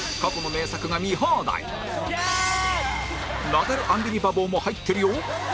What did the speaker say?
ナダル・アンビリバボーも入ってるよ！